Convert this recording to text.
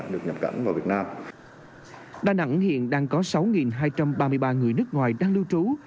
được nhập cảnh vào việt nam đà nẵng hiện đang có sáu hai trăm ba mươi ba người nước ngoài đang lưu trú